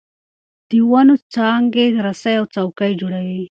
د ونو څانګې رسۍ او څوکۍ جوړوي.